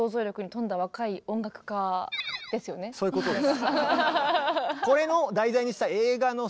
そういうことです。